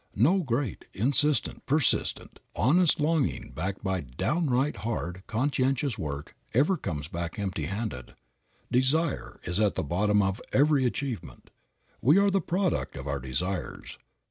No great, insistent, persistent, honest longing backed by downright hard, conscientious work ever comes back empty handed. Desire is at the bottom of every achievement. We are the product of our desires.